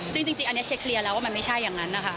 ซึ่งจริงอันนี้เช็คเคลียร์แล้วว่ามันไม่ใช่อย่างนั้นนะคะ